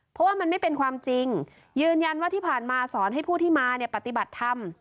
เพราะว่ามันไม่เป็นความจริงยืนยันว่าที่ผ่านมาสอนให้ผู้ที่มาเนี่ยปฏิบัติธรรม